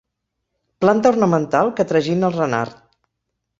Planta ornamental que tragina el renard.